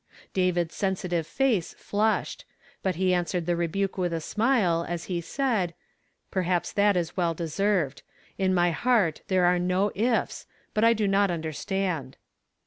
" David's sensitive face flushed; but he answered the rebuk with a smile, as lib said: "Perhaps that is well deserved. In my heart there are no ' ifs,' but I do not undci stand."